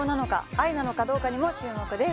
愛なのかどうかにも注目です